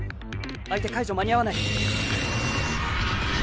相手解除間に合わない。